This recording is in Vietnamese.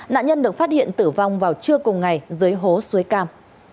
nạn nhân được phát hiện tử vong vào trưa cùng ngày dưới hố suối cam